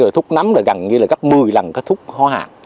thúc nấm là gần như gấp một mươi lần cái thúc hoa hạt